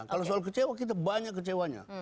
kalau soal kecewa kita banyak kecewanya